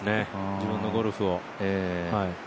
自分のゴルフを。